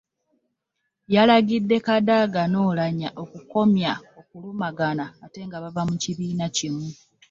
Yalagidde Kadaga ne Oulanya okukomya okulumangana ate nga bava mu kibiina kimu.